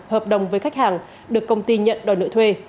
hợp đồng với khách hàng được công ty nhận đòi nợ thuê